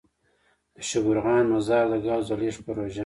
دشبرغان -مزار دګازو دلیږد پروژه.